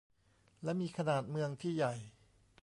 และมีขนาดเมืองที่ใหญ่